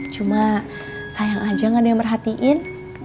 cuma sayang aja gak ada yang merhatiin